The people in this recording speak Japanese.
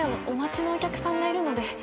お待ちのお客さんがいるので。